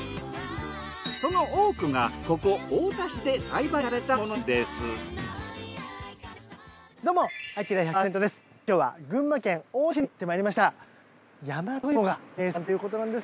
その多くがここ太田市で栽培されたものなんです。